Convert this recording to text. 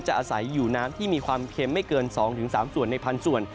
อาศัยอยู่น้ำที่มีความเค็มไม่เกิน๒๓ส่วนในพันส่วน